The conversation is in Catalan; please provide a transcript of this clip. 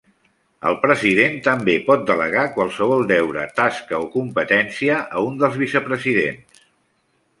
El president també pot delegar qualsevol deure, tasca o competència a un dels vicepresidents.